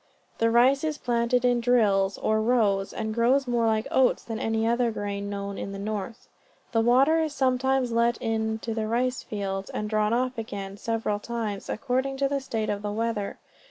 The rice is planted in drills, or rows, and grows more like oats than any of the other grain known in the north. The water is sometimes let in to the rice fields, and drawn off again, several times, according to the state of the weather.